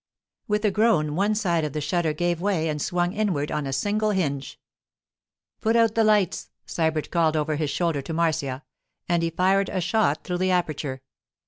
With a groan one side of the shutter gave way and swung inward on a single hinge. 'Put out the lights,' Sybert called over his shoulder to Marcia, and he fired a shot through the aperture.